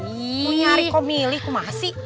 kuy nyari kok milih kumasih